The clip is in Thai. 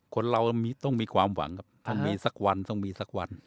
คนเราต้องมีความหวังครับต้องมีสักวันต้องมีสักวัน